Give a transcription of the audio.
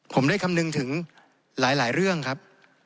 ผมได้คำนึงถึงหลายเรื่องครับ